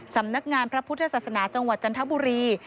สำนักงานพระพุทธศาสนาจังหวัดจันทบุรี